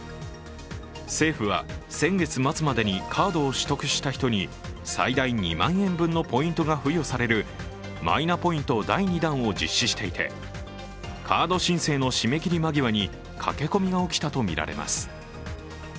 政府は先月末までにカードを取得した人に最大２万円分のポイントが付与されるマイナポイント第２弾を実施していてカード申請の締め切り間際に駆け込みが起きたとみられます。